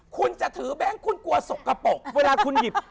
คุณจะถือแบงค์คุณกลัวสกปรก